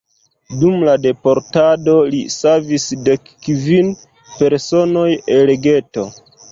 Dum la deportado li savis dekkvin personoj el geto.